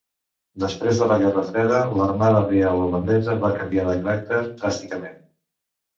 Després de la Guerra Freda, l"Armada Reial Holandesa va canviar de caràcter dràsticament.